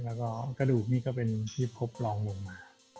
แล้วก็กระดูกนี่ก็เป็นที่พบรองลงมา